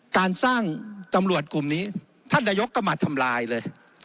การสร้างตำรวจกลุ่มนี้ท่านนายกก็มาทำลายเลย